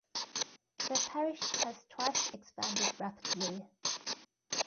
The parish has twice expanded rapidly.